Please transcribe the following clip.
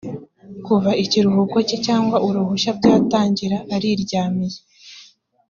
kuva ikiruhuko cye cyangwa uruhushya byatangira ariryamiye